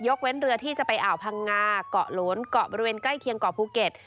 เว้นเรือที่จะไปอ่าวพังงาเกาะโหลนเกาะบริเวณใกล้เคียงเกาะภูเก็ต